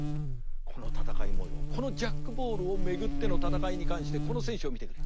この戦いもようこのジャックボールを巡っての戦いに関してこの選手を見てくれ。